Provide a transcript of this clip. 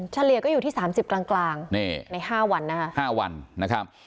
เฉลี่ยก็อยู่ที่๓๐กลางใน๕วัน